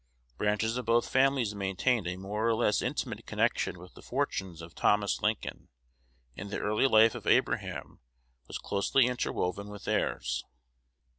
Branches of both families maintained a more or less intimate connection with the fortunes of Thomas Lincoln, and the early life of Abraham was closely interwoven with theirs.